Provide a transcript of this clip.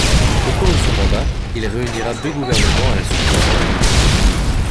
Au cours de son mandat, il réunira deux gouvernements, à la suite d'un remaniement.